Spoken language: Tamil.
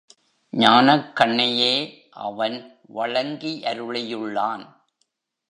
ஞானக் கண்னையே அவன் வழங்கியருளியுள்ளான்.